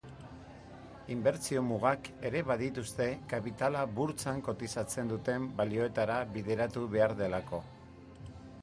Inbertsio mugak ere badituzte, kapitala burtsan kotizatzen duten balioetara bideratu behar delako.